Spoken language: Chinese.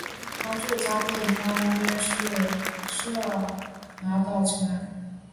他驻扎地方约是社寮岛城。